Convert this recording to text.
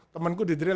temenku di drill